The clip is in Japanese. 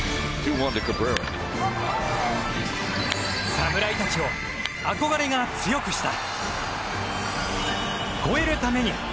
侍たちを憧れが強くした。